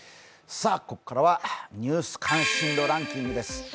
ここからはニュース関心度ランキングです。